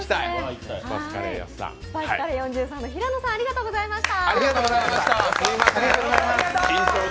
スパイスカレー４３、平野さんありがとうございました。